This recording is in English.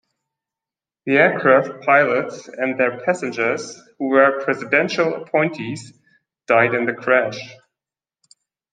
The aircraft pilots and their passengers, who were presidential appointees, died in the crash.